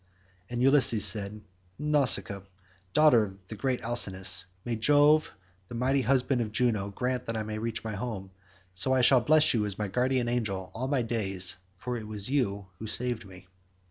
And Ulysses said, "Nausicaa, daughter of great Alcinous, may Jove the mighty husband of Juno, grant that I may reach my home; so shall I bless you as my guardian angel all my days, for it was you who saved me."